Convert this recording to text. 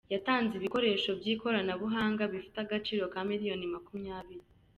yatanze ibikoresho by’ikorana buhanga bifite agaciro ka miliyoni Makumyabiri